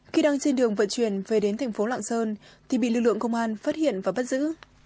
khi đang trên đường vận chuyển về đến thành phố lạng sơn thì bị lực lượng công an phát hiện và bắt giữ